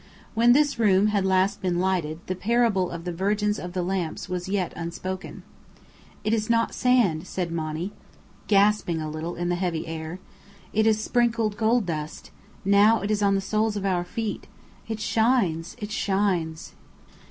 When this room had last been lighted, the parable of the Virgins of the Lamps was yet unspoken. "It is not sand," said Monny, gasping a little in the heavy air. "It is sprinkled gold dust. Now it is on the soles of our feet. It shines it shines!"